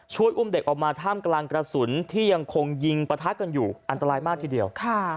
ช่วยอุ้มเด็กออกมาท่ามกลางกระสุนที่ยังคงยิงปะทะกันอยู่อันตรายมากทีเดียว